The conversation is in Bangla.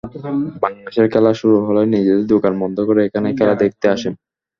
বাংলাদেশের খেলা শুরু হলে নিজের দোকান বন্ধ করে এখানেই খেলা দেখতে আসেন।